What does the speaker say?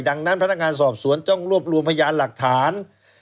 ดังนั้นพนักงานสอบสวนต้องรวบรวมพยานหลักฐาน